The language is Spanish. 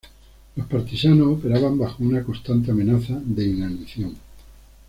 Los partisanos operaban bajo una constante amenaza de inanición.